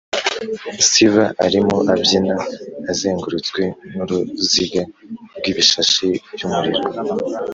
siva arimo abyina, azengurutswe n’uruziga rw’ibishashi by’umuriro